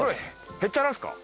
へっちゃらですか？